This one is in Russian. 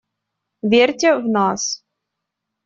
Верьте в нас.